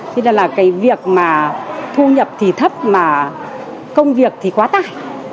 thế nên là cái việc mà thu nhập thì thấp mà công việc thì quá tải